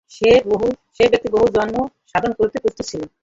সে ব্যক্তি বহু জন্ম সাধন করিতে প্রস্তুত ছিল।